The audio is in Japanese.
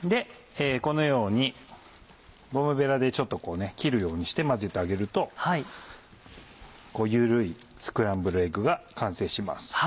このようにゴムベラでちょっと切るようにして混ぜてあげると緩いスクランブルエッグが完成します。